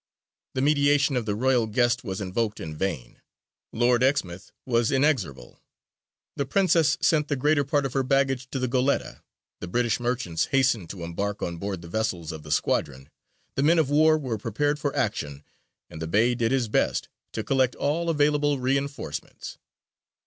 The mediation of the royal guest was invoked in vain; Lord Exmouth was inexorable. The Princess sent the greater part of her baggage to the Goletta, the British merchants hastened to embark on board the vessels of the squadron, the men of war were prepared for action, and the Bey did his best to collect all available reinforcements.